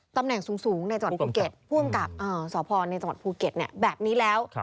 ตำแหน่งสูงในจังหวัดภูเก็ตผู้อำกับสพในจังหวัดภูเก็ตแบบนี้แล้ว